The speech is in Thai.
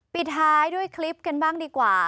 ปิดท้ายด้วยคลิปกันบ้างดีกว่า